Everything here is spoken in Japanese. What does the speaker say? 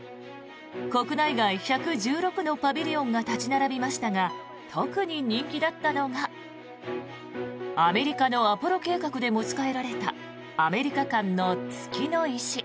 国内外１１６のパビリオンが立ち並びましたが特に人気だったのがアメリカのアポロ計画で持ち帰られたアメリカ館の月の石。